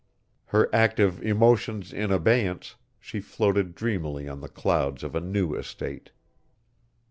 Her active emotions in abeyance, she floated dreamily on the clouds of a new estate.